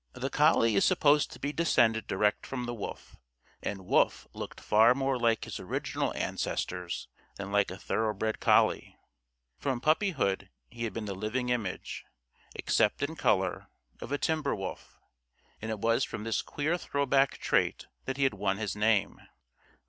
The collie is supposed to be descended direct from the wolf, and Wolf looked far more like his original ancestors than like a thoroughbred collie. From puppyhood he had been the living image, except in color, of a timber wolf, and it was from this queer throw back trait that he had won his name.